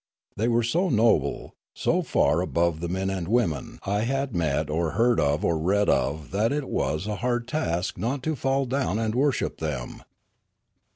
They were so noble, so far above the men and women I had met or heard of or read of that it was a hard task not to fall down and worship them.